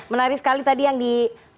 menarik sekali tadi yang di